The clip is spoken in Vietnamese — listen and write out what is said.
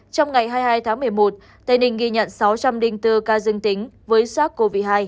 trong ngày hai mươi hai tháng một mươi một tây ninh ghi nhận sáu trăm linh bốn ca dương tính với sars cov hai